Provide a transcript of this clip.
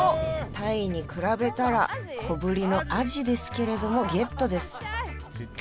タイに比べたら小ぶりのアジですけれどもゲットです